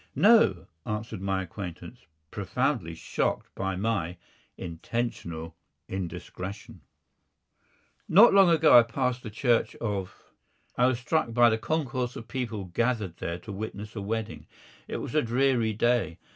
"No," answered my acquaintance, profoundly shocked by my intentional indiscretion. Not long ago I passed the Church of . I was struck by the concourse of people gathered there to witness a wedding. It was a dreary day.